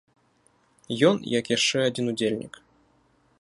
Ён, як яшчэ адзін удзельнік.